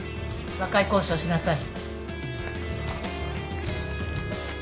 和解交渉しなさい。